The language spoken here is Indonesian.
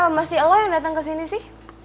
btw kenapa mesti lo yang datang kesini sih